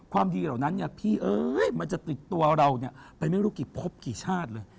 ความดีเหล่านั้นเนี่ยพี่เอ้ยมันจะติดตัวเราเนี่ยไปไม่รู้กี่พบกี่ชาติเลย